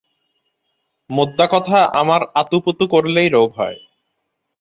মোদ্দা কথা, আমার আতুপুতু করলেই রোগ হয়।